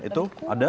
ini kita ada